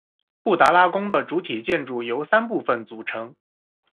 布达拉宫的主体建筑由三部分组成。